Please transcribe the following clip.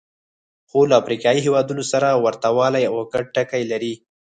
خو له افریقایي هېوادونو سره ورته والی او ګډ ټکي لري.